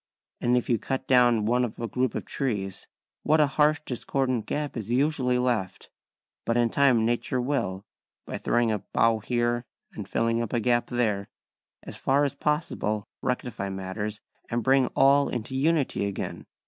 And if you cut down one of a group of trees, what a harsh discordant gap is usually left; but in time nature will, by throwing a bough here and filling up a gap there, as far as possible rectify matters and bring all into unity again.